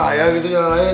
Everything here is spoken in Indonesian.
bahaya gitu jalan lain